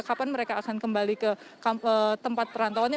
kapan mereka akan kembali ke tempat perantauannya